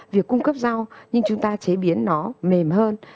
việc cung cấp rau nhưng chúng ta chế biến nó mềm hơn